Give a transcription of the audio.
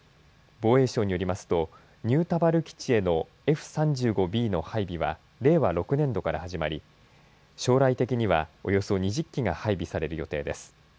防衛省によりますと新田原基地へのＦ３５Ｂの配備は令和６年度から始まり将来的にはおよそ２０機が配備される予定です。